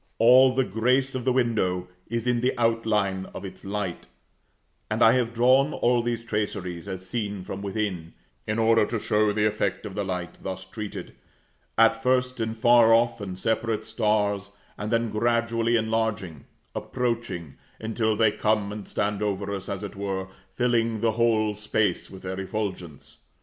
All the grace of the window is in the outline of its light; and I have drawn all these traceries as seen from within, in order to show the effect of the light thus treated, at first in far off and separate stars, and then gradually enlarging, approaching, until they come and stand over us, as it were, filling the whole space with their effulgence.